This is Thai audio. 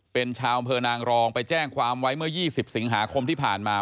เป็นชาวอำเภอนางรองไปแจ้งความไว้เมื่อ๒๐สิงหาคมที่ผ่านมา